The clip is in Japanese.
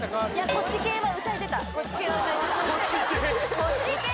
こっち系は歌えてた「こっち系」